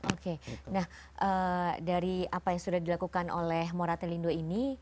oke nah dari apa yang sudah dilakukan oleh moratelindo ini